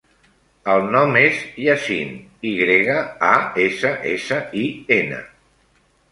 El nom és Yassin: i grega, a, essa, essa, i, ena.